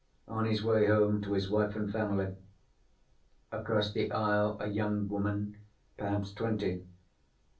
On his way home to his wife and family. Across the aisle a young woman, perhaps twenty.